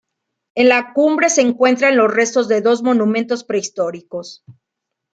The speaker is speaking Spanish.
En la cumbre se encuentran los restos de dos monumentos prehistóricos.